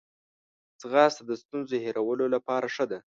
ځغاسته د ستونزو هیرولو لپاره ښه ده